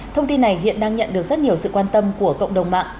thông tin này hiện đang nhận được rất nhiều sự quan tâm của cộng đồng mạng